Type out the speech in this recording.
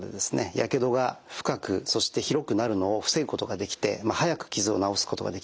やけどが深くそして広くなるのを防ぐことができて早く傷を治すことができる。